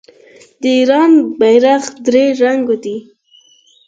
د ایران بیرغ درې رنګه دی.